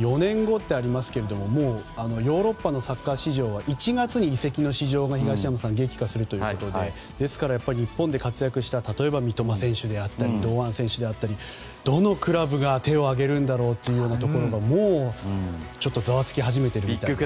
４年後ってありますけどもうヨーロッパのサッカー市場は１月に移籍の市場が、東山さん激化するということで日本で活躍した例えば、三笘選手であったり堂安選手であったりどのクラブが手を挙げるんだろうというところがもう、ざわつき始めていますね。